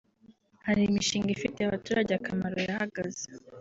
hari imishinga ifitiye abaturage akamaro yahagaze